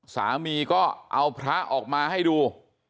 สามีก็เอาพระออกมาให้ดู